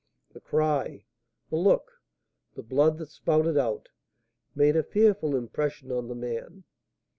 The cry, the look, the blood that spouted out, made a fearful impression on the man.